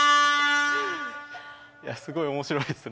すごい面白いですね。